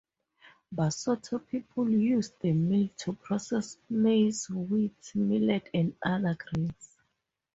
Basotho people use the mill to process maize, wheat, millet and other grains.